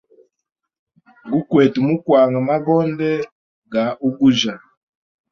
Gu kwete mu kwanga magonde ga ugujya.